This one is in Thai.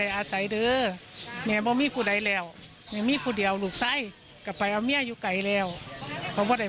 อยากบอกว่าอยากให้ลูกตายฟีน